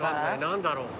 何だろう？